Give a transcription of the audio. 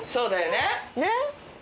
ねっ。